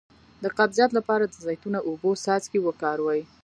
د قبضیت لپاره د زیتون او اوبو څاڅکي وکاروئ